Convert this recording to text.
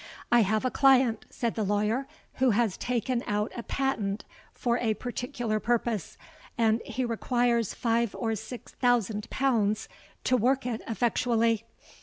'I have a client,' said the lawyer, 'who has taken out a patent for a particular purpose; and he requires five or six thousand pounds to work it effectually.